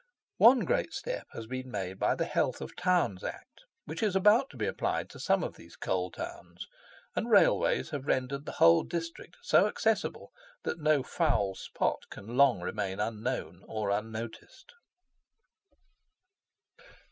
One great step has been made by the Health of Town's Act, which is about to be applied to some of these coal towns; and railways have rendered the whole district so accessible that no foul spot can long remain unknown or unnoticed.